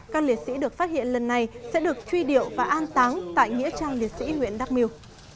các liệt sĩ được phát hiện lần này sẽ được truy điệu và an táng tại nghĩa trang liệt sĩ huyện đắk miêu